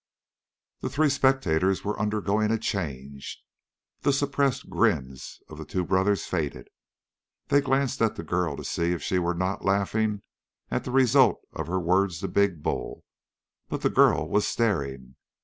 The three spectators were undergoing a change. The suppressed grins of the two brothers faded. They glanced at the girl to see if she were not laughing at the results of her words to big Bull, but the girl was staring.